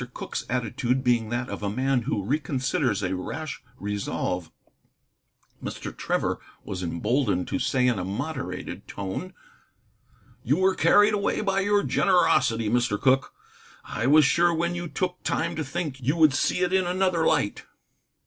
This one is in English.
Cooke's attitude being that of a man who reconsiders a rash resolve, Mr. Trevor was emboldened to say in a moderated tone: "You were carried away by your generosity, Mr. Cooke. I was sure when you took time to think you would see it in another light."